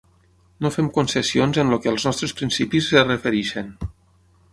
No fem concessions en el que als nostres principis es refereixen.